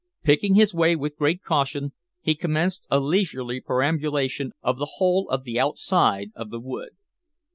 Picking his way with great caution, he commenced a leisurely perambulation of the whole of the outside of the wood.